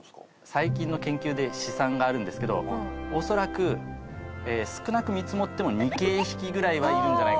最近の研究で試算があるんですけど恐らく少なく見積もっても２京匹ぐらいはいるんじゃないかと。